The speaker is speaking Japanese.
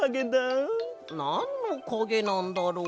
なんのかげなんだろう？